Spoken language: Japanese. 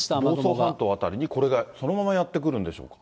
房総半島辺りに、これがそのままやって来るんでしょうか。